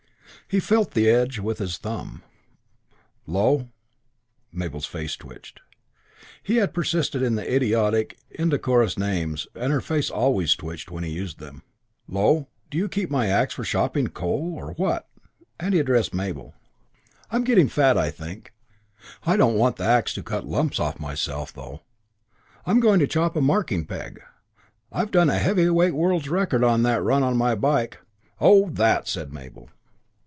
He felt the edge with his thumb. "Low" Mabel's face twitched. He had persisted in the idiotic and indecorous names, and her face always twitched when he used them "Low, do you keep my axe for chopping coal or what?" And he addressed Mabel. "I'm getting fat, I think. I don't want the axe to cut lumps off myself, though. I'm going to chop a marking peg. I've done a heavyweight world's record on that run in on my bike " "Oh, that!" said Mabel.